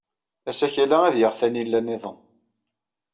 Asakal-a ad yaɣ tanila niḍen.